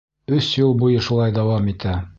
Өс йыл буйы шулай дауам итә.